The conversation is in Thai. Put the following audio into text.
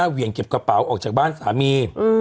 เหวี่ยงเก็บกระเป๋าออกจากบ้านสามี